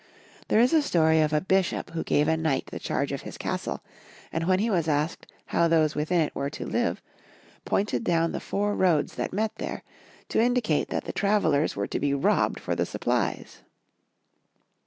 There is a story of a Bishop who gave a knight the charge of his castle, and when he was asked how those within it were to live, pointed down the four roads that met there, to indicate that the travelers were to be robbed for the supplies